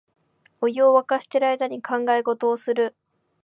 お湯をわかしてる間に考え事をする